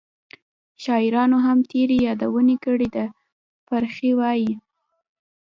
شاعرانو هم ترې یادونه کړې ده. فرخي وایي: